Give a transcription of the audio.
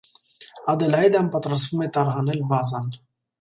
Ադելաիդան պատրաստվում է տարհանել բազան։